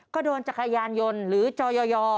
ก็โดนจักรยานยนต์หรือจอย